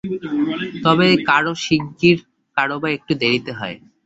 তবে কারও শীগগীর, কারও বা একটু দেরীতে হয়।